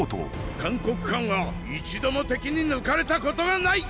函谷関は一度も敵に抜かれたことがない！